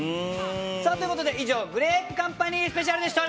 さあという事で以上グレープカンパニースペシャルでした！